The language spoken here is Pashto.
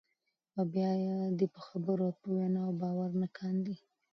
او بیا دې په خبرو او ویناوو باور نه کاندي،